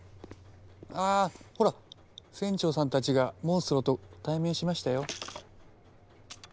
あほら船長さんたちがモンストロと対面しましたよ。